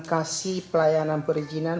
kasih pelayanan perizinan